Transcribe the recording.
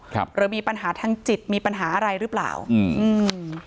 หรือมีปัญหาทางจิตมีปัญหาอะไรหรือเปล่าอืมอืม